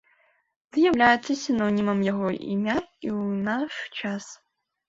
З'яўляецца сінонімам яго імя і ў наш час.